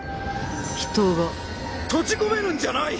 人が閉じ込めるんじゃない。